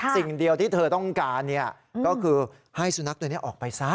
สิ่งเดียวที่เธอต้องการก็คือให้สุนัขตัวนี้ออกไปซะ